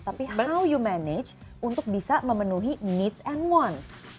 tapi how you manage untuk bisa memenuhi needs and mone